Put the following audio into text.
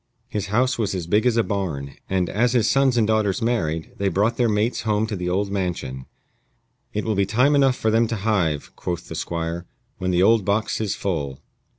His house was as big as a barn, and, as his sons and daughters married, they brought their mates home to the old mansion. "It will be time enough for them to hive," quoth the Squire, "when the old box is full."